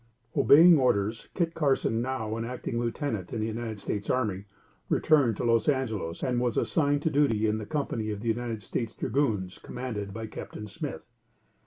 Obeying orders, Kit Carson, now an acting lieutenant in the United States army, returned to Los Angelos and was assigned to do duty in the company of United States dragoons commanded by Captain Smith.